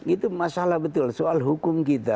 itu masalah betul soal hukum kita